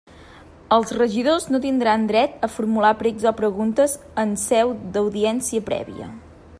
Els regidors no tindran dret a formular precs o preguntes en seu d'Audiència Prèvia.